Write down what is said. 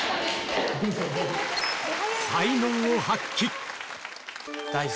才能を発揮大福